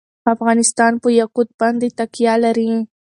افغانستان په یاقوت باندې تکیه لري.